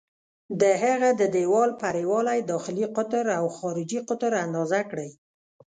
د هغه د دیوال پرېړوالی، داخلي قطر او خارجي قطر اندازه کړئ.